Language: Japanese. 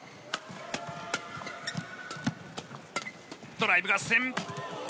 ドライブ合戦。